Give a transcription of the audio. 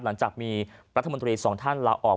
หลังจากมีรัฐมนตรีสองท่านลาออก